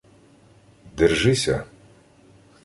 — Держися!..